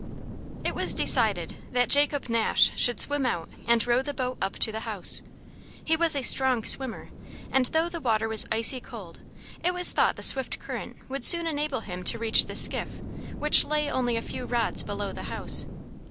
It was decided that Jacob Nash should swim out and row the boat up to the house. He was a strong swimmer, and though the water was icy cold it was thought the swift current would soon enable him to reach the skiff which lay only a few rods below the house.